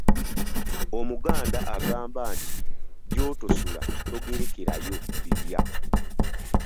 "Omuganda agamba nti, “Gy’otosula togerekerayo bibya”."